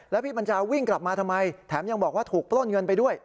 แล้วพี่บัญจาวิ่งกลับมาทำไมแถมยังบอกว่าถูกปล้นเงินไปด้วย